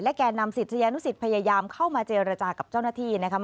แก่นำศิษยานุสิตพยายามเข้ามาเจรจากับเจ้าหน้าที่นะครับ